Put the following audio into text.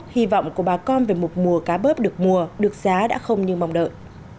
hy vọng của bà con về một mùa cá bớp được mùa được giá đã không như mong đợi